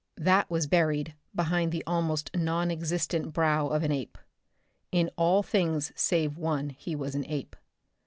That was buried behind the almost non existent brow of an ape. In all things save one he was an ape.